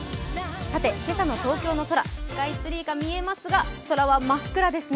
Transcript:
さて、今朝の東京の空、スカイツリーが見えますが空は真っ暗ですね。